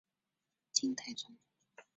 金太宗天会九年。